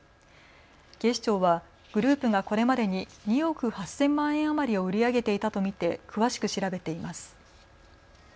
警視庁はグループがこれまでに２億８０００万円余りを売り上げていたと見て詳しく調べています。